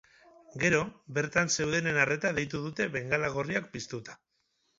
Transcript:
Gero, bertan zeudenen arreta deitu dute bengala gorriak piztuta.